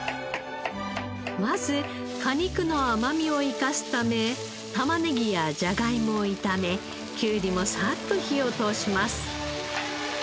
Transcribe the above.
まず果肉の甘みを生かすためたまねぎやじゃがいもを炒めきゅうりもサッと火を通します。